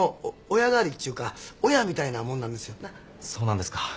そうなんですか。